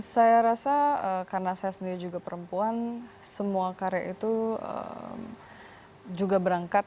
saya rasa karena saya sendiri juga perempuan semua karya itu juga berangkat